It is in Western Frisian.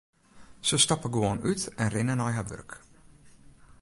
Se stappe gewoan út en rinne nei har wurk.